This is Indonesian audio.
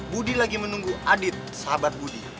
budi lagi menunggu adit sahabat budi